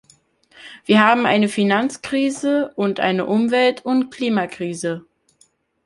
Wir haben eine Finanzkrise und eine Umwelt- und Klimakrise.